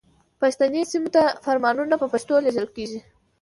پښتني سیمو ته فرمانونه په پښتو لیږل کیږي.